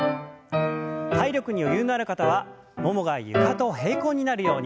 体力に余裕のある方はももが床と平行になるように。